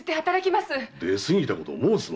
出過ぎたことを申すな。